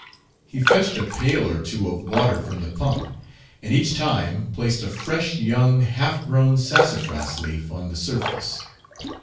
He fetched a pail or two of water from the pump, and each time placed a fresh young half grown sassafras leaf on the surface.